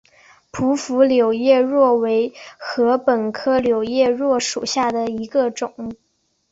匍匐柳叶箬为禾本科柳叶箬属下的一个种。